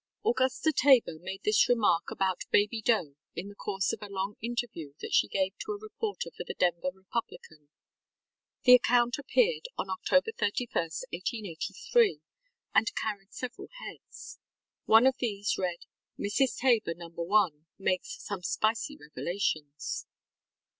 ŌĆØ Augusta Tabor made this remark about Baby Doe in the course of a long interview that she gave to a reporter for the Denver Republican. The account appeared on October 31, 1883, and carried several heads. One of these read, ŌĆ£Mrs. Tabor No. 1 makes some spicy revelations.